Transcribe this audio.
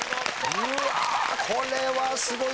うわこれはすごい！